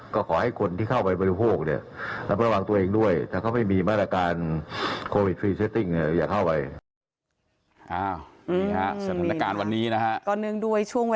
ก็ขอให้คนที่เข้าไปบริโภคระวังตัวเองด้วย